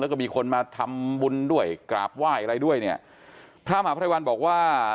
แล้วก็มีคนมาทำบุญด้วยกราบไหว้อะไรด้วยเนี่ยพระมหาภัยวัลบอกว่า